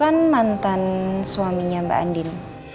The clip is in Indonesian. kan mantan suaminya mbak andin